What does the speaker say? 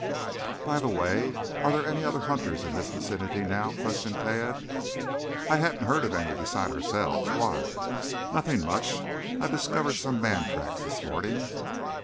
"By the way, are there any other hunters in this vicinity now?" questioned Tad. "I hadn't heard of any besides ourselves. Why?" "Nothing much. I discovered some man tracks this morning."